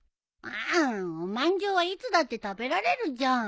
あんおまんじゅうはいつだって食べられるじゃん。